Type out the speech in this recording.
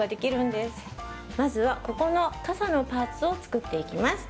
まずはここの傘のパーツを作っていきます。